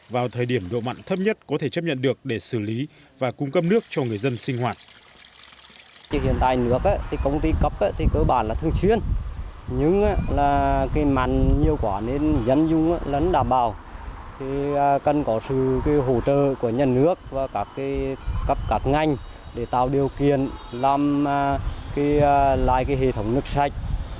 vào thời điểm độ mặn thấp nhất có thể chấp nhận được để xử lý và cung cấp nước cho người dân sinh hoạt